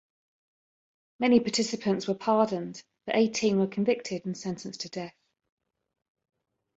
Many participants were pardoned, but eighteen were convicted and sentenced to death.